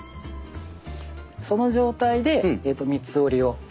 その状態で三つ折りを。